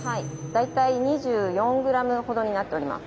大体２４グラムほどになっております。